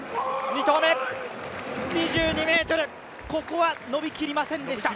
２投目、２２ｍ、ここは伸び切りませんでした。